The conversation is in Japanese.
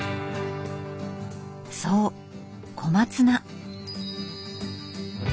そう小松菜。